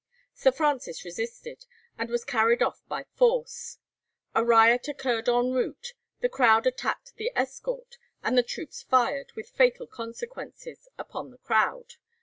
Sir Francis resisted, and was carried off by force. A riot occurred en route, the crowd attacked the escort, and the troops fired, with fatal consequences, upon the crowd.